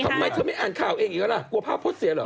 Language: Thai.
ทำไมเธอไม่อ่านข่าวเองอีกแล้วล่ะกลัวภาพพจน์เสียเหรอ